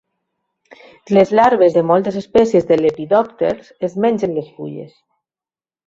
Les larves de moltes espècies de lepidòpters es mengen les fulles.